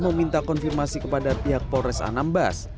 meminta konfirmasi kepada pihak polres anambas